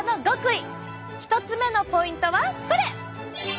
１つ目のポイントはこれ！